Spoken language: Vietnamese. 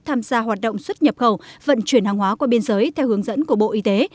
tham gia hoạt động xuất nhập khẩu vận chuyển hàng hóa qua biên giới theo hướng dẫn của bộ y tế